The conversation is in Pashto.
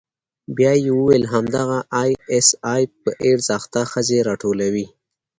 بيا يې وويل همدغه آى اس آى په ايډز اخته ښځې راټولوي.